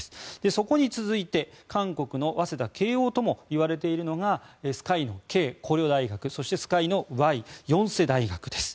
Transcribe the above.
そこに続いて韓国の早稲田、慶應ともいわれているのがＳＫＹのＫ、高麗大学そして、ＳＫＹのＹ延世大学です。